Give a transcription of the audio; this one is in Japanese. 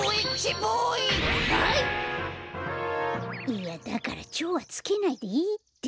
いやだから「超」はつけないでいいって。